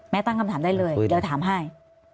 ตั้งคำถามได้เลยเดี๋ยวถามให้